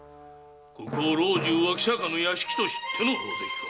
ここを老中・脇坂の屋敷と知っての狼藉か？